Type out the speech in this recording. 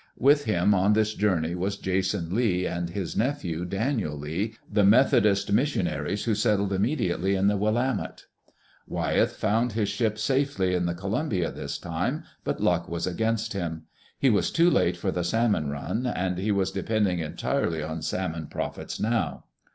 With him, on this journey, was Jason Lee and his nephew, Daniel Lee, the Methodist missionaries who settled immediately in the Willamette. Wyeth found his ship safely in the Columbia this time, but luck was against him. He was too late for the salmon run, and he was depending entirely on salmon profits now.